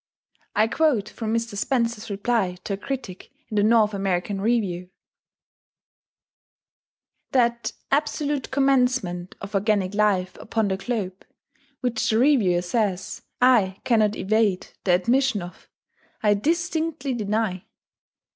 I quote from Mr. Spencer's reply to a critic in the North American Review: "That 'absolute commencement of organic life upon the globe,' which the reviewer says I 'cannot evade the admission of,' I distinctly deny.